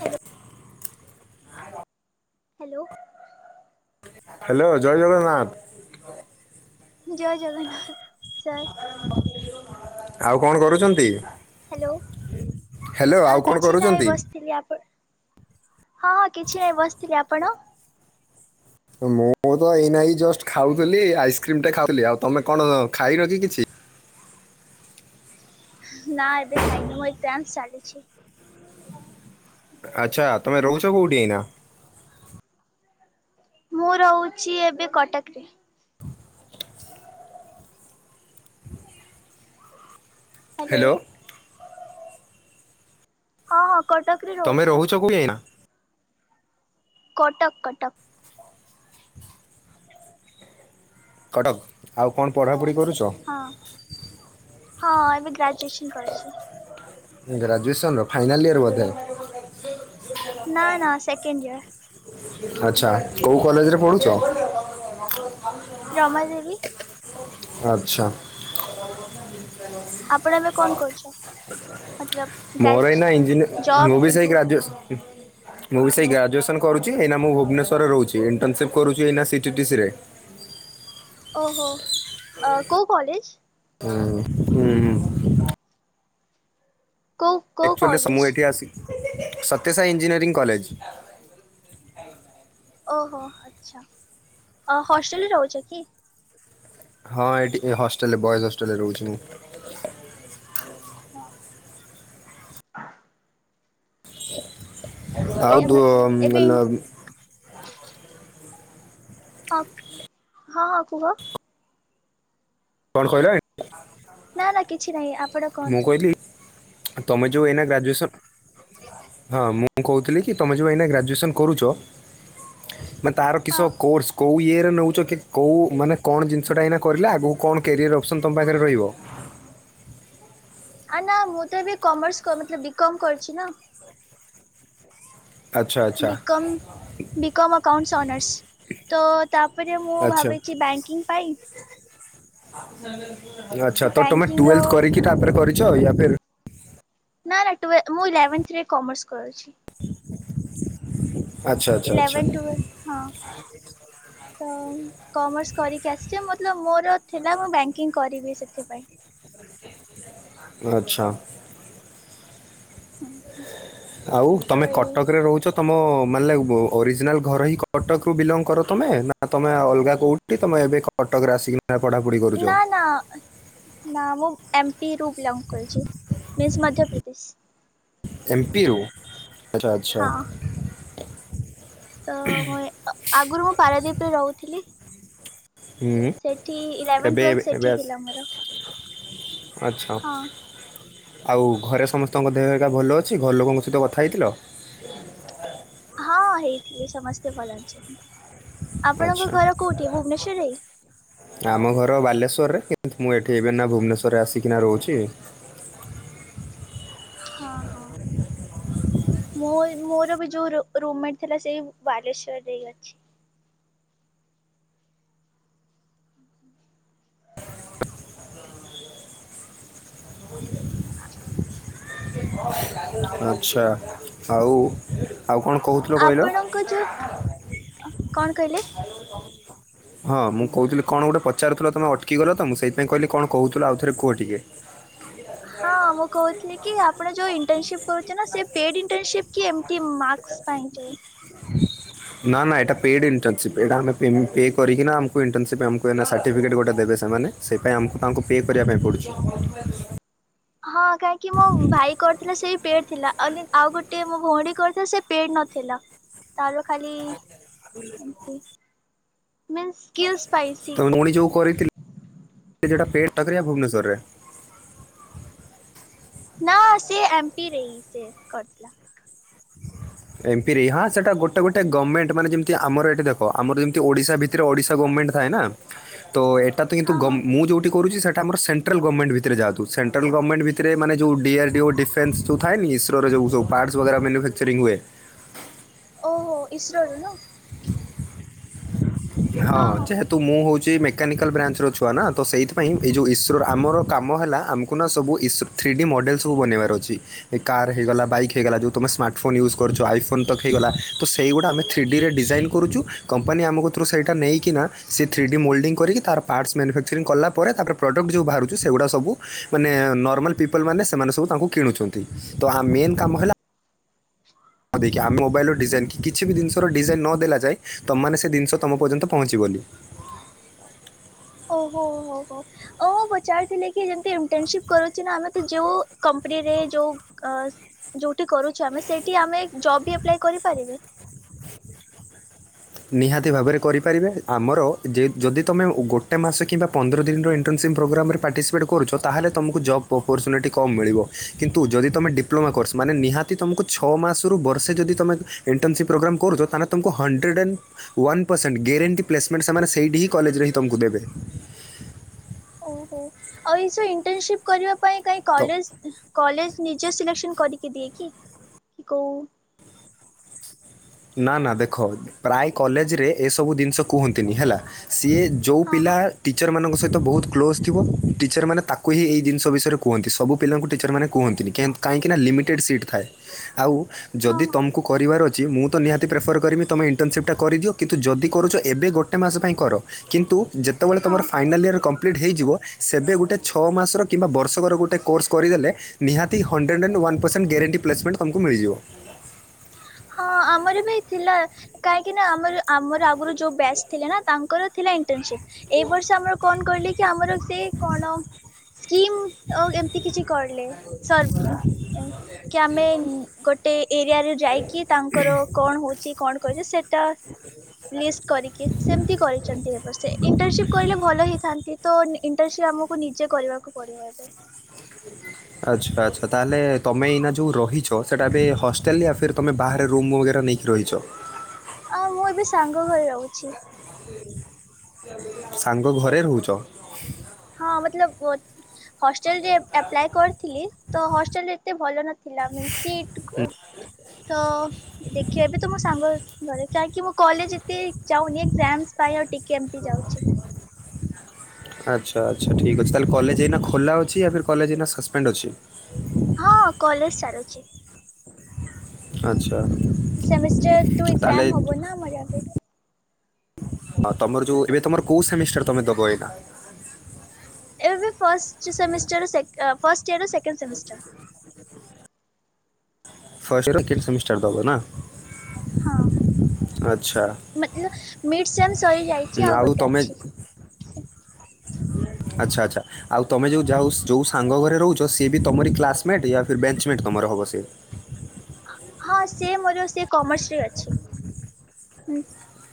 Hello. Hello. Hello ଜୟ ଜଗନ୍ନାଥ। ଜୟ Jagannath sir. ଆଉ କଣ କରୁଛନ୍ତି? ହ୍ୟାଲୋ ହ୍ୟାଲୋ ଆଉ କଣ କିଛି କରୁଛନ୍ତି ନାହିଁ ବସିଥିଲି ଆପ ହଁ ହଁ କିଛି ନାହିଁ ବସିଥିଲେ ଆପଣ? ମୁଁ ତ ଏଇନାଇଁ ଜଷ୍ଟ ଖାଉଥିଲି ଆଇସ୍କ୍ରିମ ଟା ଖାଉଥିଲି ଆଉ ତମେ କଣ ଖାଇନ କି କିଛି? ନା ଏବେ ଖାଇନି ମୋ ଏକ୍ସାମ ଚାଲିଛି। ଆଚ୍ଛା ତମେ ରହୁଛ କୋଉଠି ଏଇନା? ମୁଁ ରହୁଛି ଏବେ କଟକରେ। ହ୍ୟାଲୋ। ହଁ ହଁ କଟକ ରେ ରହୁଛି। କ ଯାଇନା [inaudible] କଟକ, କଟକ। କଟକ ଆଉ କଣ ପଢ଼ାପଢ଼ି କରୁଛ? ହଁ ହଁ ଏବେ ଗ୍ରାଜ୍ୟୁଏସନ୍ କରୁଛି। ଗ୍ରାଜୁଏସନର ଫାଇନାଲ୍ ଇୟର୍ ବୋଧେ? ନା ନା ସେକେଣ୍ଡ ଇୟର। ଆଚ୍ଛା କୋଉ କଲେଜରେ ପଢୁଛ? ରମାଦେବୀ ଆଚ୍ଛା। [inaudible] ଆପଣ ଏବେ କଣ କରୁଛ? ମତଲବ ମୋର ଏଇନା ଗ୍ରାଜୁ ଇଞ୍ଜିନୟ ଜବ୍ ମୁଁ ବି ସେଇ ଗ୍ରାଜୁ ମୁଁ ବି ସେଇ ଗ୍ରାଜୁଏସନ କରୁଛି। ଏଇନା ମୁଁ ଭୁବନେଶ୍ୱରରେ ରହୁଛି ଇଣ୍ଟରନସିପ କରୁଛି ଏ ସିଟି ଟି ସି ରେ ଓହୋ କଉ କଲେଜ? ଉହୁଁ। ହ [inaudible] କୋଉ ଆକ୍ଚୁଆଲି ମୁଁ କଲେଜ? ଏଇଠି ଆସି ସତ୍ୟସାଇ ଇଞ୍ଜିନିୟରିଂ କଲେଜ। ଓହୋ ଆଚ୍ଛା ହଷ୍ଟେଲରେ ରହୁଛ କି? ହଁ ଏଠି ହଷ୍ଟେଲରେ ବଏଜ ହଷ୍ଟେଲରେ ରହୁଛି। ହଁ ହ। ଆଉ ଏ ଦୁ ମତଲବ ଏବେ [unintelligible] ହ ହଁ ହଁ କୁହ। କଣ କହିଲ? ନା ନା କିଛି ନାହିଁ ଆପଣ ମୁଁ କୁହନ୍ତୁ। କହିଲି ତମେ ଯଉ ଏନା ଗ୍ରାଜ୍ୟୁଏସନ ହଁ ମୁଁ କହୁଥିଲି କି ତମେ ଯୋଉ ଏଇନା ଗ୍ରାଜୁଏସନ କରୁଛ ମାନେ ତାର କି ହଁ ସ କୋର୍ସ କୋଉ ଇଏରେ ନେଉଛ କି କୋଉ ମାନେ କଣ ଜିନିଷ ଟା ଏଇନା କରିଲେ ଆଗକୁ କଣ କ୍ୟାରିୟର ଅପସନ୍ ତମ ପାଖରେ ରହିବ? ଆ ନା ମୁଁ ତ ଏବେ କମର୍ସ ମ ବି କମ୍ କରିଛି ନା। ଆଚ୍ଛା ଆଚ୍ଛା ବିକମ୍ ବିକମ୍ ଆକାଉଣ୍ଟସ୍ ଅନର୍ସ ତ ତାପରେ ମୁଁ ଆଚ୍ଛା ଭାବିଛି ବ୍ୟାଙ୍କିଙ୍ଗ ପାଇଁ ଆଚ୍ଛା ତମେ ବ୍ୟାଙ୍କିଙ୍ଗ ର ଟୁଏଲ୍ଥ କରିକି ତାପରେ କରିଛ ୟା ଫିର ନା ନା ଟୁ ମୁଁ ଇଲେଭେନ୍ଥ ରେ କମର୍ସ କରୁଛି। ଆଚ୍ଛା, ଆଚ୍ଛା, ଆଚ୍ଛା। ଇଲେଭେନ୍ ଟୁଏଲ୍ ହଁ। ତ କମର୍ସ କରିକି ଆସିଛି ମତଲବ୍ ମୋର ଥିଲା ମୁଁ ବ୍ୟାଙ୍କିଙ୍ଗ କରିବି ସେଥିପାଇଁ। ଆଚ୍ଛା। ଆଉ ତ ତମେ ଏଇ କଟକରେ ରହୁଛ। ତମ ମାନେ ଅରିଜିନାଲ୍ ଘର ହିଁ କଟକରୁୁ ବିଲଙ୍ଗ କର ତମେ ନା ତମେ ଅଲଗା କେଉଁଠି ତମେ ଏବେ କଟକରେ ଆସିକି ନା ପଢ଼ାପୁଢ଼ି ନା ନା। ନା ମୁଁ ଏମପି ରୁ ବିଲଙ୍ଗ କରିଛି ମିନ୍ସ ମଧ୍ୟପ୍ରଦେଶ। ଏମପି ରୁ ଆଚ୍ଛା ଆଚ୍ଛା। ହଁ ତ ମୁଁ ଏ ଆଗୁରୁ ମୁଁ ପାରାଦୀପରେ ରହୁଥିଲି। ହୁଁ ସେଠି ଇଲେଭେନ ଏବେ ଟୁଏଲଭ ଏବେ ସେଠି ଆସ- ଥିଲା ମୋର। ଆଚ୍ଛା ହଁ ଆଉ ଘରେ ସମସ୍ତଙ୍କ ଦେହିକା ଭଲ ଅଛି ଘରଲୋକଙ୍କ ସହିତ କଥା ହେଇଥିଲ। ହଁ ହେଇଥିଲି ସମସ୍ତେ ଭଲ ଅଛନ୍ତି ଆପଣଙ୍କ ଆଚ୍ଛା ଘର କୋଉଠି ଭୁବନେଶ୍ଵରରେ? ଆମ ଘର ବାଲେଶ୍ୱରରେ କିନ୍ତୁ ମୁଁ ଏଠି ଏବେ ଏଇନା ଭୁବନେଶ୍ୱରରେ ଆସିକିନା ରହୁଛି। ହଁ। ମୁଁ ମୋର ବି ଯୋଉ ରୁ ରୁମମେଟ ଥିଲା ସେଇ ବାଲେଶ୍ଵରରେ ହିଁ ଅଛି। [inaudible] ଆଚ୍ଛା ଆଉ ଆଉ କଣ କହୁଥିଲ କହିଲ? କୋଜୋ କଣ କହିଲେ? ହଁ ମୁଁ କହୁଥିଲି କଣ ଗୋଟେ ପଚାରୁଥିଲ ତମେ ଅଟକି ଗଲ ତ ମୁଁ ସେଇଥିପାଇଁ କହିଲି କଣ କହୁଥିଲ ଆଉଥରେ କୁହ ଟିକେ। [inaudible] ହଁ ମୁଁ କହୁଥିଲି କି ଆପଣ ଯୋଉ ଇଣ୍ଟର୍ନସିପ୍ କରୁଛନ୍ତି ସେ ପେଡ୍ ଇଣ୍ଟର୍ନସିପ୍ କି ଏମତି ମାରକ ଶ୍ ପାଇଁ ଜଉ। ନା ନା ଏ ପେଡ଼ ଇଣ୍ଟର୍ନସିପ୍ ଏଇଟା ଆମେ [unintelligible] କରିକିନା ଆମକୁ ଇଣ୍ଟର୍ନସିପ୍ ଆମକୁ ଏଇନା ସାର୍ଟିଫିକେଟ୍ ଗୋଟେ ଦେବେ ସେମାନେ ସେଇଥିପାଇଁ ଆମକୁ ତାଙ୍କୁ ପେ କରିବା ପାଇଁ ପଡ଼ୁଛି। ହଁ କାହିଁକି ମୋ ଭାଇ କରିଥିଲା ସେଇ ପେଡ ଥିଲା ଆଉ ଗୋଟେ ମୋ ଭଉଣି କରିଥିଲା ସେ ପେଡ ନଥିଲା ତାର ଖାଲି ଏମତି [inaudible] ମିନ୍ସ ସ୍କିଲ୍ସ ପାଇସି। ତମ ଭଉଣି ଯୋଉ କରିଥିଲି ସେଇଟା [unintelligible] ଭୁବନେଶ୍ଵରରେ। ନା ସେ ଏମପି ରେ ହିଁ ସେ କରିଥିଲା। ଏମପିରେ ହାଁସେଟା ଗୋଟେ ଗୋଟେ ଗମେଣ୍ଟ ମାନେ ଯେମିତି ଆମର ଏଠି ଦେଖ ଆମର ଯେମତି ଓଡିଶା ଭି ଥିରେ ଓଡ଼ିଶା ଗଭର୍ଣ୍ମେଣ୍ଟ ଥାଏ ନା ତ ଏଟା ତ କିନ୍ତୁ ହଁ ଗ ହଁ ମୁଁ ଯଉଠି କିରୁଛି ସେଟା ଆମର ସେନ ସେଣ୍ଟ୍ରାଟ୍ରାଲ ଗଭର୍ଣ୍ମେଣ୍ଟ ଭିତରେ ଯାନ୍ତୁ ସେଟ୍ରା୍ଲ ଗଭର୍ଣ୍ମେଣ୍ଟ ଭିତରେ ମାନେ ଯଉଁ ଡିଆର୍ଡିଓ ଡିଫନ୍ସ ଜଉ ଥାଏନିକି ଇସୋରଉଁ ସୁ। ପାର୍ଟସ ବଗେରା ମ୍ୟାନୁଫାକ୍ଚରିଂ ହୁଏ। ଓହୋ ଇସ୍ରୋରୁ ନୁହଁ। ହଁ ଯେହେ ତୁ ମୁଁ ହଉଛି ମେକାନିକାଲ୍ ବ୍ରାଞ୍ଚ ର ଛୁଆ ନା ତ ସେଇଥିପାଇଁ ଏଇ ଯଉ ଇସ୍ରୋର ଆମର କାମ ହେଲା ଆମକୁ ନା ସବୁ ଇସ ଥ୍ରୀ ଡି ମଡ଼େଲ୍ ସବୁ ବନେଇବାର ଅଛି। ଏ କାର୍ ହେଇଗଲା ବାଇକ୍ ହେଇଗଲା ଯଉଁ ତୁମ ସ୍ମାର୍ଟଫୋନ୍ ୟୁଜ୍ କରୁଛ ଆଇଫୋନ୍ ତକ୍ ହେଇଗଲା ତ ସେଇଗୁଡ଼ା ଆମେ ଥ୍ରୀ ଡି ରେ ଡିଜାଇନ୍। କରୁଛୁ କମ୍ପାନୀ ଆମକ ତୁରୁ ସେଇଟା ନେଇକିନା ସେ ଥ୍ରୀଡି ମୋଲ୍ଡିଙ୍ଗ କରିକି ତାର ପାର୍ଟସ୍ ମ୍ୟାନୁଫାକ୍ଚରିଂ କଲା ପରେ ତା ପ୍ରଡ଼କ୍ଟ ଯଉଁ ବାହାରୁଛି ସେଗୁଡ଼ା ସବୁ। ମାନେ ନର୍ମାଲ ପିପଲ ମାନେ ସେମାନେ ସବୁ ତାକୁ କିଣୁଛନ୍ତି ତ ମେନ କାମ ହେଲା ହଁ ଦେଇକି ଆମ ମୋବାଇଲର ଡିଜାଇନ କିଛି ବି ଜିନିଷର ଡିଜାଇନ ନ ଦେଲା ଯାଏ ତମମାନେ ସେ ଜିନିଷ ତମ ପର୍ଯ୍ୟନ୍ତ ପହଞ୍ଚିବନି। ଓ ହୋ ହୋ ହୋ। ଓଁ ପଚାରୁଥିଲେ କି ଯେମିତି ଇଣ୍ଟସିପ କରୁଛି ନା ଆମେ ତ ଯୋଉ କମ୍ପାନୀରେ ଯୋଉ ଅ ଯଉଠି କରୁଛୁ ଆମେ ସେଇଠି ଆମେ ଜବ୍ ବି ଆପ୍ଲାଏ କରିପାରିବେ? ନିହାତି ଭାବରେ କରିପାରିବେ ଆମର ଯେ ଯଦି ତମେ ଗୋଟେ ମାସ କିମ୍ବା ପନ୍ଦର ଦିନର ଇଣ୍ଟର୍ନସିପ୍ ପ୍ରୋଗ୍ରାମରେ ପାର୍ଟିସିପେଟ୍ କରୁଛ ତାହେଲେ ତମକୁ ଜବ୍ ଅପରଚୁନିଟି କମ୍ ମିଳିବ କିନ୍ତୁ ଯଦି ତମେ ଡିପ୍ଲୋମା କରସ ମାନେ ନିହା ଯଦି ତୁମକୁ ଛଅ ମାସରୁ ବର୍ଷ ଯଦି ଏଣ୍ଟରସିପ୍ ପୋଗ୍ରାମ କରୁଛ ତାହେଲେ ତମକୁ hundred and one percent guarantee ପ୍ମଣ୍ ସେମାନେ ସେଇଠି ହିଁ କଲେଜରେ ହିଁ ତମକୁ ଦେବେ। ଓହୋ ଆ ଏଣ୍ଟର୍ନସିିପ କରିବା ପାଇଁ କାହିଁ ତ କଲେଜ କଲେଜ ସିଲେକ୍ସନ୍ କରିକି ଦିଏ କି କି କହୁ ନା ନା ଦେଖ ପ୍ରାୟ କଲେଜରେ ଏସବୁ ଜିନିଷ କୁହନ୍ତିନି ହେଲା ସିଏ ଯୋଉଁ ହଁ ପିଲା ଟିଚର ମାନଙ୍କ ସହିତ ବହୁତ କ୍ଲୋଜ୍ ଥିବ ଟିଚର ମାନେ ତାକୁ ହିଁ ଏହି ଜିନିଷ ବିଷୟରେ କୁହନ୍ତି ସବୁ ପିଲାଙ୍କୁ ଟିଚର ମାନେ କୁହନ୍ତିନି କେ କାହିଁକି ଲିମିଟେଡ଼୍ ସିଟ୍ ଥାଏ ଆଉ ହଁ ଯଦି ହଁ ତୁମକୁ କରିବାର ଅଛି ମୁଁ ତ ନିହାତି ପ୍ରେଫରର୍ କରିମି ତୁମେ ଇଣ୍ଟର୍ନସିପ୍ଟା କରିଦିଅ କିନ୍ତୁ ଯଦି କରୁଛ ଏବେ ଗୋଟେ ମାସ ପାଇଁ କର। କିନ୍ତୁ ଯେତେବେଳେ ହଁ ତମର ଫାଇନାଲ ଇୟର କମ୍ପ୍ଲିଟ୍ ହେଇଯିବ ସେବେ ଗୋଟେ ଛଅ ମାସର କିମ୍ବା ବର୍ଷକର ଗୋଟେ କୋର୍ସ କରିଦେଲେ ନିହାତି hundred one percent guarantee placement ତମକୁ ମିଳିିଯିବ। ହଁ ଆମର ବି ଥିଲା କାହିଁକି ନା ଆମର ଆମର ଆଗରୁ ଯୋଉଁ ବ୍ୟାସ୍ ଥିଲେ ନା ତାଙ୍କର ଥିଲା ଇଣ୍ଟର୍ନସିପ୍। ଏଇ ବର୍ଷ ଆମର କଣ କିଲ କି ଆମର ସେ କଣ ସ୍କିମ୍ ଆ ଏମତି କିଛି କରିଲେ ସ କି ଆମେ ଗୋଟେ ଏରିଆରେ ଯାଇକି କି ତାଙ୍କର କଣ ହଉଛି କଣ କଛି ସେଇଟା ଲିଷ୍ଟ କରିକି ସେମତି କରିଛନ୍ତି ଏ ସେ ଇଣ୍ଟରନସିପ କରିଲେ ଭଲ ହେଇଥାନ୍ତା। ତ ଇଣ୍ଟରନସିପ ଆମକୁ ନିଜେ କରିବାକୁ ପଡିବ। ଆଚ୍ଛା ଆଚ୍ଛା ତାହେଲେ ତମେ ଏଇନା ଯୋଉଁ ରହିଛ ସେଟା ଏବେ ହଷ୍ଟେଲ ଅଫେରେ ବାହାରେ ରୁମ ବାଗେର ନେଇକି ରହିଛ। ଆଉ ମୁଁ ଏବେ ସାଙ୍ଗ ଘରେ ରହୁଛି। [inaudible] ସାଙ୍ଗ ଘରେ ରହୁଚ? ହଁ ମତଲବ ହଷ୍ଟେଲ ରେ ଆପ୍ଲାୟେ କରିଥିଲି ତ ହଷ୍ଟେଲ ରେ ଏତେ ଭଲ ନଥିଲା ମିନସ୍ ସିଟ୍ ତ ଦେଖିବା ବି ତ ମୋ ସାଙ୍ଗ ଘରେ କାହିଁକି ମୁଁ କଲେଜ ଏତେ ଯାଉନି ଏଜାମ ପାଇଁ ଆଉ ଟିକେ ଏମତି ଯାଉଛି। ଆଚ୍ଛା ଆଛା ଠିକ୍ ଅଛି ତାହାଲେ କଲେଜ ଏଇନା ଖୋଲା ଅଛି ନା କଲେଜ ନା ସସ୍ପେଣ୍ଡ ଅଛି। ହଁ କଲେଜ ଚାଲୁଛି। ଆଚ୍ଛା ସେମିଷ୍ଟାର ଟୁ ତାହାଲେ ଏକ୍ଜାମ ହବ ନା ଆମର ଏବେ ହଁ ତମର ଯୋଉ ଏବେ ତମର କୋଉ ସେମିଷ୍ଟାର ତମେ ଦବ ଏଇନା? ଏବେ ଫାଷ୍ଟ ସେମିଷ୍ଟାର ସେ ଫାଷ୍ଟ ଇୟର ର ସେକଣ୍ଡ ସେମିଷ୍ଟାର। ଫାଷ୍ଟ ଏୟାର ଥି ସେମିଷ୍ଟାର ଦେବ ନା? ହଁ ଆଚ୍ଛା ମ ମିଡ ସେମ ସରି ଯାଇଛି ଆଉ ଗୋଟେ ଅଛି। ସେ ଆଛା ଆଛା। ଆଉ ତମେ ଯଉ ଯାଉ ଯୋଉ ସାଙ୍ଗ ଘରେ ରହୁଛ ସିଏ ବି ତମର କ୍ଲାସମେଟ୍ ବେଞ୍ଚମେଟ୍ ତମର ହବ ସେ? ହଁ ସେ ମୋର ସେ କମର୍ସ ରେ ଅଛି।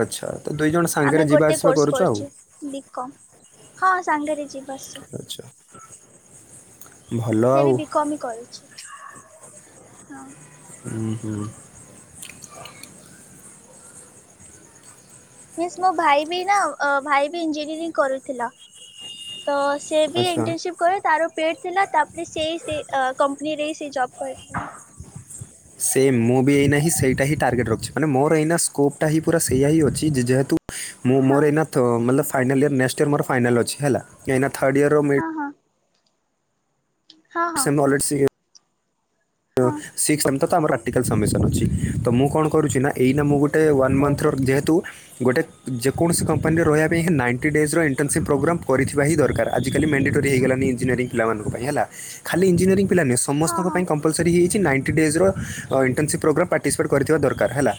ଆଚ୍ଛା ତ ଦୁଇ ଜଣ ସାଙ୍ଗରେ ଆମେ ଯିବା ଗୋଟେ ଆସିବା କୋର୍ସ କରୁଛ ଆଉ କରୁଛୁ ବିକମ୍। ହଁ ସାଙ୍ଗରେ ଯିବା ଆସିଵା। [inaudible] ସେ ବି ଆଉ ବିକମି କରୁଛି ହଁ। ଉ ହୁଁ। ମୋ ଭାଇ ବି ନା ଭାଇ ବି ଇଞ୍ଜିନିୟରିଂ କରୁଥିଲା। ତ ସେ ବି ଆଚ୍ଛା। ଇଣ୍ଟର୍ନସିପ୍ କରେ ତାର ପେଡ଼୍ ଥିଲା ତାପରେ ସେଇ ସେ କମ୍ପାନୀରେ ସେ ଜବ୍ କରିଥିଲା। [inaudible] ସେମ ମୁଁ ବି ଏଇନା ହିଁ ସେଟା ହିଁ ଟାର୍ଗେଟ ରଖଛି ମାନେ ମୋର ଏଇ ସ୍କୋପଟାିଁ ପୁର ସେଇଆ ଅଛି ଯେହେତୁ ମୁଁ ହଁ ମୋର ଏଇନା ମେ ଫନାଲ ୟର ନେଷ୍ଟ ଇୟର୍ ମୋର ଫାଇଲ ଅଛି। ହେଲା ଏନା ଥର୍ଡ ଇୟର ହଁ ହଁ। ହଁ ହଁ [unintelligible] [unintelligible] ହଁ ତ ଆମର ପ୍ରାକଟିକାଲ ସବ୍ମିସନ ଅଛି। ତ ମୁଁ କଣ କରୁଚି ନା ଏଇ ମୁଁ ଗୋ ଟେ ୱାନ୍ ମନ୍ଥର ଓହୋ ଯେହେତୁ ଗୋଟେ ଯେକୌଣସି କମ୍ପାନୀ ରେ ରହିବା ପାଇଁ ହଁ ନାଇଣ୍ଟି ଡେଜ୍ ର ଇଣ୍ର୍ନସିପ ପ୍ରୋଗ୍ରମ୍ କରିଥିବା ହିଁ ଦରକାର। ଆଜି କାଲି ମ୍ୟାଣ୍ଡେଟୋରି ହେଇଗାଲାଣି ଇଞ୍ଜିନିୟରିଂ ପିଲାମାନଙ୍କ ପାଇଁ ହେଲା। ଖଲି ଇଞ୍ଜିନିୟରିଂ ପିଲା ନୁହେଁ ହଁ ସମସଙ୍କ ହଁ ପାଇଁ କ ମ୍ପଲସରି ହୋଇଯାଇଛି ନାଇଣ୍ଟି ଡେଜ୍ ର ଅ ଇଣ୍ଟର୍ନସିପ୍ ପ୍ରୋଗ୍ରାମ୍ ପାର୍ଟିସିପେଟ୍ କରିଥିବା ଦରକାର ହେଲା।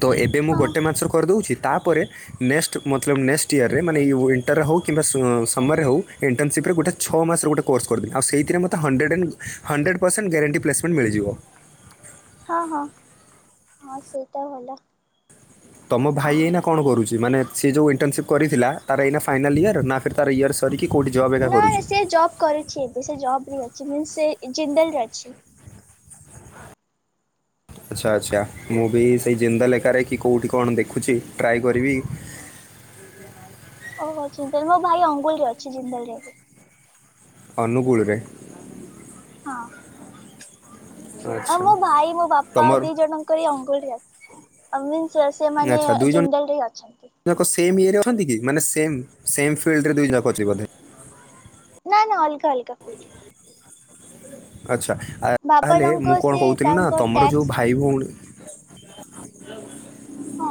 ତ ଏବେ ମୁଁ ହଁ ଗୋଟେ ମାସ ର କରିଦୋଉଛି ତା ପରେ ନେକ୍ସଟ୍ ମତଲବ ନେକ୍ସଟ ଇୟରରେ ମାନେ ଇଉ ୱଣ୍ଟର୍ର ହୋଉ କିମ୍ବା ସମରରେ ହୋଉ ଇଣ୍ଟର୍ନସିପରେ ଗୋଟେ ଛ ମାସରେ ଗୋଟେ କୋର୍ସ କରିବି ଆଉ ସେଇଥିରେ ମତେ hundred and hundred percent guarantee placement ମିଳିିଯିବ। ହଁ ହଁ ହଁ ସେଇଟା ଭଲ। ତମ ଭାଇ ଏଇନା କଣ କରୁଛି ମାନେ ସେ ଯୋଉ ଇଣ୍ଟର୍ନସିପ କରିଥିଲା ତାର ଏଇ ଫାଇନାଲ ଇୟର ନା ଫର୍ ତାର ଇୟର୍ ସିରିକି କେଉଁଠି ଜବ୍ ଏକା ନା ନା କରୁଛି? ସେ ଜବ୍ କରୁଛି। ବେ ସେ ଜବ ରେ ଅଛି, ମିନ୍ସ ସେ ଜିନ୍ଦଲ ରେ ଅଛି। ଆଚ୍ଛା ଆଚ୍ଛା ମୁଁ ବି ସେଇ ଜିନ୍ଦଲ ଏକାରେ କି କେଉଁଠି କଣ ଦେଖୁଚି ଟ୍ରାଏ କରିବି। ଓହୋ ଚିନ୍ତଲ ମୋ ଭାଇ ଅଙ୍ଗୁଳ ରେ ଅଛି ଜିନ୍ଦଲ ରେ ଏବେ। ଅନୁଗୁଳରେ? ହଁ। ଆ ଆଚ୍ଛା ମୋ ଭାଇ ମୋ ବାପା ତମର ଦି ଜଣ ଙ୍କର ଏଇ ଅଙ୍ଗୁଳ ରେ ଅ ମିନ୍ସ ସେମାନେ ଜିନ୍ଦଲ ରେ ଅଛନ୍ତି। ଜକ ସେମ ଇଏରେ ଅଛନ୍ତି କି ମାନେ ସେମ ସେମ ଫିଲ୍ଡ଼ ରେ ଦୁଇ ଜାକ ଅଛି ବୋଧେ? ନା ନା ଅଲଗା ଅଲଗକା ଫିଲ୍ଡ଼। ଆଚ୍ଛା ବାପା ତାହେଲେ ମୁଁ ଜଣଙ୍କ କଣ ସେ କହୁଥିଲି ନା ତାଙ୍କ ତମର ଯେଉ ଟ୍ୟାକ୍ସ ଭାଇ ଭଉଣୀ ହଁ।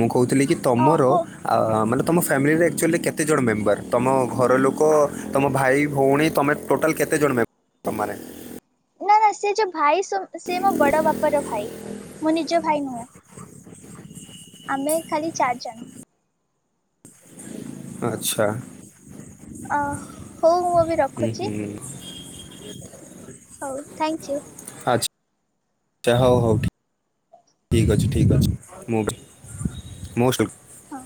ମୁଁ କହୁଥିଲି କି ତମର ଓହୋ। ଆ ମାନେ ତମ ଫ୍ୟାମିଲିରେ ଆକ୍ଚୁଆଲି କେତେଜଣ ମେମ୍ବର? ତମ ଘରଲୋକ ତମ ଭାଇ ଭଉଣୀ ତମେ ଟୋଟଲ କେତେଜଣ ମେମ ତମର? ନା ନା ସେ ଯୋଉ ଭାଇ ସୋ ସେ ମୋ ବଡ ବାପ ର ଭାଇ ମୋ ନିଜ ଭାଇ ନୁହଁ। ଆମେ ଖାଲି ଚାରି ଜଣ। ଆଛା। ଅ ହଉ ମୁଁ ଏବେ ହୁଁ ରଖୁଚି। [inaudible] ହଉ ଥ୍ୟାଙ୍କ ୟୁ। ଆଛା ହଉ ହଉ ଠିକ ଠିକ୍ ଅଛି ଠିକ୍ ଅଛି ମୋ ବ ମୋଷ୍ଟ ୱଲକମ୍। ହଁ।